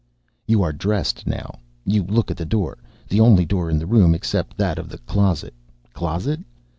You are dressed now. You look at the door the only door of the room except that of the closet (closet?)